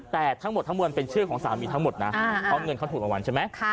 แต่ทั้งหมดทั้งมวลเป็นชื่อของสามีทั้งหมดนะเพราะเงินเขาถูกรางวัลใช่ไหม